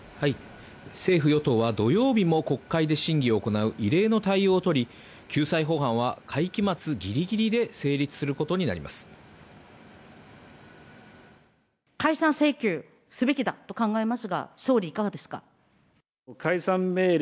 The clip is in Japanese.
政府・与党は土曜日も国会で審議を行う異例の対応をとり、救済法案は会期末ぎりぎりで成立することになります。